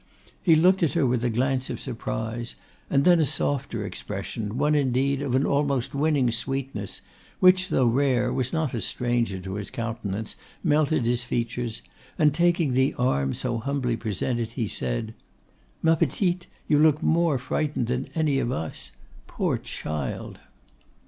He looked at her with a glance of surprise, and then a softer expression, one indeed of an almost winning sweetness, which, though rare, was not a stranger to his countenance, melted his features, and taking the arm so humbly presented, he said, 'Ma Petite, you look more frightened than any of us. Poor child!